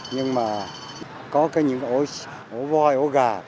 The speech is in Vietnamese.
nhưng mà có cái những ổ voi ổ gà